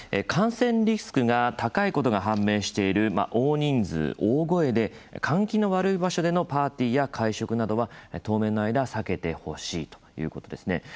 感染リスクが高いことが判明している大人数、大声で換気の悪い場所でのパーティーや会食などは当面の間避けてほしいということですね。